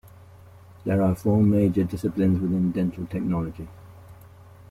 There are four major disciplines within dental technology.